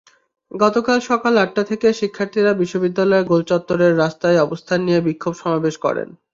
গতকাল সকাল আটটা থেকে শিক্ষার্থীরা বিশ্ববিদ্যালয়ের গোলচত্বরের রাস্তায় অবস্থান নিয়ে বিক্ষোভ সমাবেশ করেন।